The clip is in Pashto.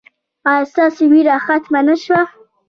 ایا ستاسو ویره ختمه نه شوه؟